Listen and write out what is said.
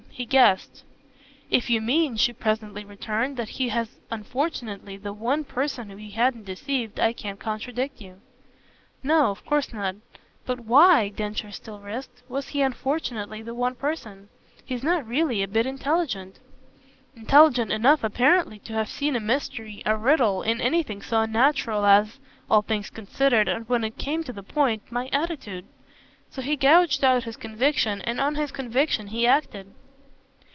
He guessed." "If you mean," she presently returned, "that he was unfortunately the one person we hadn't deceived, I can't contradict you." "No of course not. But WHY," Densher still risked, "was he unfortunately the one person ? He's not really a bit intelligent." "Intelligent enough apparently to have seen a mystery, a riddle, in anything so unnatural as all things considered and when it came to the point my attitude. So he gouged out his conviction, and on his conviction he acted."